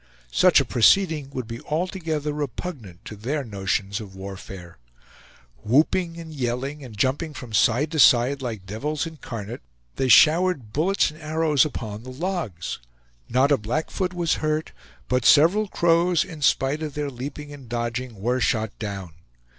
Such a proceeding would be altogether repugnant to their notions of warfare. Whooping and yelling, and jumping from side to side like devils incarnate, they showered bullets and arrows upon the logs; not a Blackfoot was hurt, but several Crows, in spite of their leaping and dodging, were shot down.